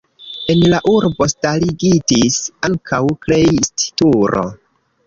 En la urbo starigitis ankaŭ Kleist-turo.